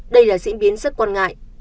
đây là diễn biến rất quan ngại